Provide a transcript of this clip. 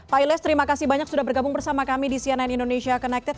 pak illes terima kasih banyak sudah bergabung bersama kami di cnn indonesia connected